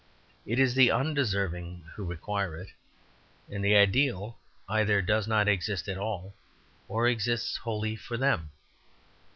It is the undeserving who require it, and the ideal either does not exist at all, or exists wholly for them.